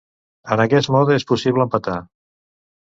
En aquest mode és possible empatar.